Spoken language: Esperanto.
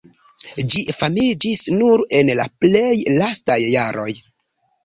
Ĝi famiĝis nur en la plej lastaj jaroj.